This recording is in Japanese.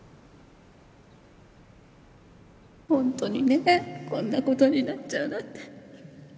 本当にねこんな事になっちゃうなんて。